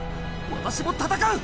私も戦う！